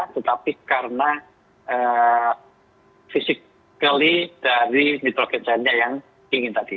tetapi karena fisik dari nitrogen cairnya yang dingin tadi